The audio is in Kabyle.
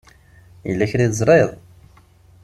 Yella kra i teẓṛiḍ?